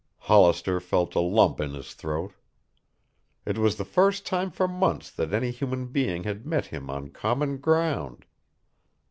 Hollister felt a lump in his throat. It was the first time for months that any human being had met him on common ground.